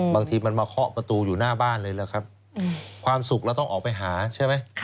บางทีมันมาเคาะประตูอยู่หน้าบ้านเลยล่ะครับความสุขเราต้องออกไปหาใช่ไหม